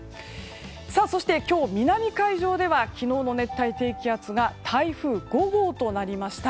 そして今日、南海上では昨日の熱帯低気圧が台風５号となりました。